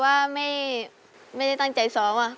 กลับไปก่อนที่สุดท้าย